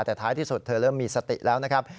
แต่ท้ายที่สุดเธอเริ่มมีสติแล้วนะครับ